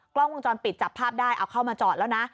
กล้องวงจรปิดจับภาพได้เอาเข้ามาจอดแล้วนะ